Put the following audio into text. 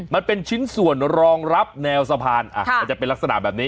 มันเป็นชิ้นส่วนรองรับแนวสะพานมันจะเป็นลักษณะแบบนี้